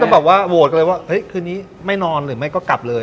จริงเว้ยเขาจะโหวตกันเลยทีกี้ไม่นอนหรือไม่ก็กลับเลย